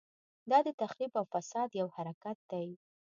دا د تخریب او فساد یو حرکت دی.